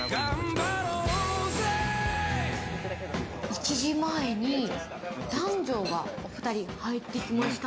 １時前に男女が２人、入ってきました。